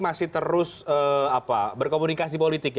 masih terus berkomunikasi politik